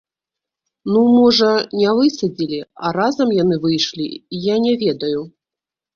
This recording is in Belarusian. Ну можа, не высадзілі, а разам яны выйшлі, я не ведаю.